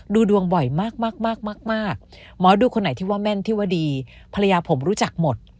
ดูดวงบ่อยมากมากหมอดูคนไหนที่ว่าแม่นที่ว่าดีภรรยาผมรู้จักหมด